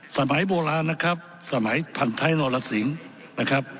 สมัยโบราณนะครับสมัยพันท้ายนรสิงนะครับ